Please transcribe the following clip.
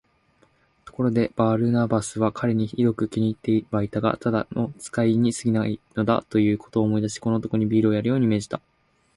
ところで、バルナバスは彼にひどく気に入ってはいたが、ただの使いにすぎないのだ、ということを思い出し、この男にビールをやるように命じた。